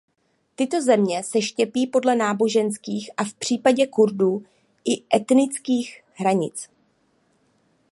Tyto země se štěpí podle náboženských a v případě Kurdů i etnických hranic.